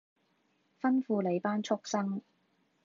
吩咐你班畜牲